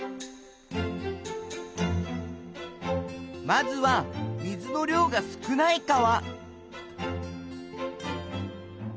まずは水の量が少ない川。